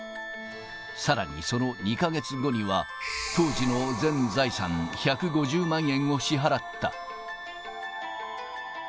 さらに、その２か月後には、当時の全財産１５０万円を支払った。